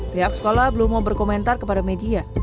pihak sekolah belum mau berkomentar kepada media